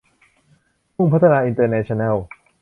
มุ่งพัฒนา อินเตอร์แนชชั่นแนล